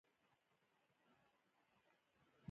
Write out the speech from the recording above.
هغې ژمنه وغوښته چې په بله دنیا کې به یو ځای وو